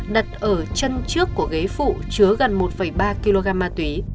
đặt ở chân trước của ghế phụ chứa gần một ba kg ma túy